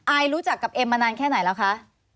รู้จักกับเอ็มมานานแค่ไหนแล้วคะ